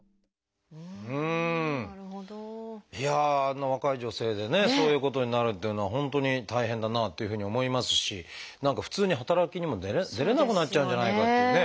あんな若い女性でねそういうことになるっていうのは本当に大変だなっていうふうに思いますし何か普通に働きにも出れなくなっちゃうんじゃないかってね。